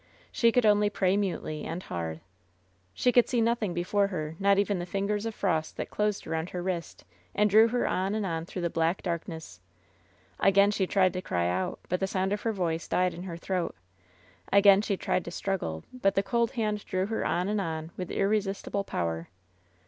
She could only pray mutely and hard. She could see nothing before her, not even the fingers of frost that closed around her wrist, and drew her on and on through the black darkness. Again she tried to cry out, but the sound of her voice died in her throat Again she tried to struggle, but the cold hand drew her on and on with irresistible power.